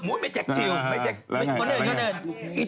มุทมันจักเจียว